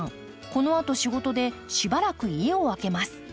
このあと仕事でしばらく家を空けます。